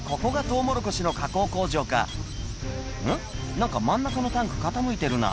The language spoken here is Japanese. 何か真ん中のタンク傾いてるな」